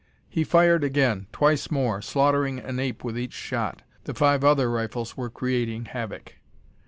He fired again, twice more, slaughtering an ape with each shot. The five other rifles were creating havoc.